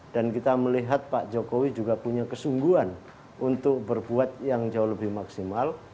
kita melihat pak jokowi juga punya kesungguhan untuk berbuat yang jauh lebih maksimal